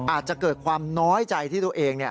อาจจะเกิดความน้อยใจที่ตัวเอง